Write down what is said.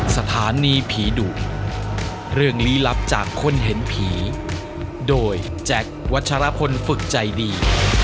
สถานีผีดุเรื่องลี้ลับจากคนเห็นผีโดยแจ็ควัชรพลฝึกใจดี